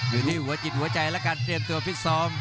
อยู่ที่หัวจิตหัวใจและการเตรียมตัวฟิตซ้อม